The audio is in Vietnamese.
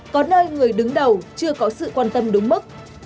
có nơi người đứng đầu chưa có sự quan tâm đúng mức